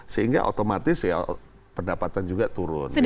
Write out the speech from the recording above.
sehingga otomatis ya pendapatan juga turun